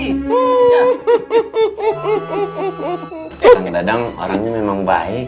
eh kang dadang orangnya memang baik